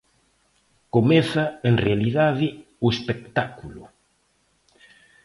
Comeza, en realidade, o espectáculo.